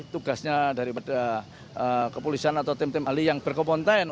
tugasnya daripada kepolisian atau tim tim ahli yang berkompontent